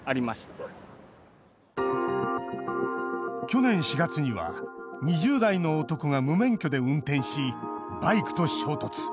去年４月には２０代の男が無免許で運転しバイクと衝突。